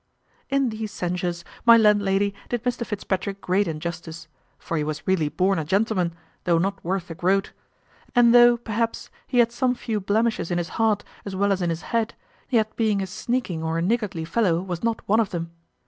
In these censures my landlady did Mr Fitzpatrick great injustice; for he was really born a gentleman, though not worth a groat; and though, perhaps, he had some few blemishes in his heart as well as in his head, yet being a sneaking or a niggardly fellow was not one of them.